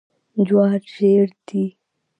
جوار ژیړ دي.